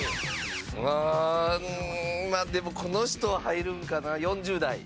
うんまあでもこの人は入るんかな４０代。